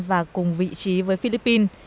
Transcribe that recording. và cùng vị trí với philippines